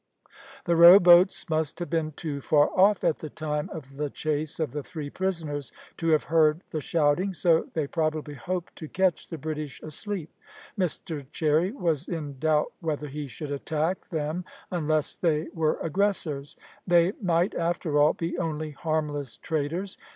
The row boats must have been too far off at the time of the chase of the three prisoners to have heard the shouting, so they probably hoped to catch the British asleep. Mr Cherry was in doubt whether he should attack them unless they were aggressors. They might, after all, be only harmless traders.